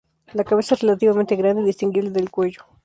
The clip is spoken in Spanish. La cabeza es relativamente grande y distinguible del cuello.